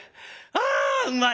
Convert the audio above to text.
あうまい！」。